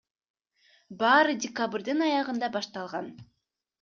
Баары декабрдын аягында башталган.